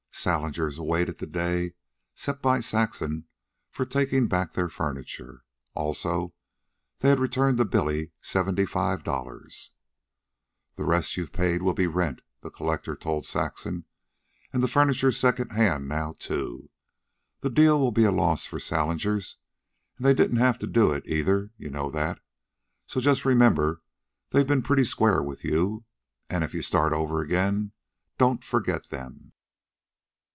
Salinger's awaited the day set by Saxon for taking back their furniture. Also, they had returned to Billy seventy five dollars. "The rest you've paid will be rent," the collector told Saxon. "And the furniture's second hand now, too. The deal will be a loss to Salinger's' and they didn't have to do it, either; you know that. So just remember they've been pretty square with you, and if you start over again don't forget them."